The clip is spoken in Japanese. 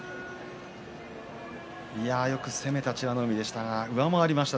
よく攻めた美ノ海でしたが上回りました。